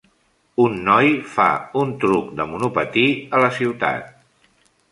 Un noi fa un truc de monopatí a la ciutat.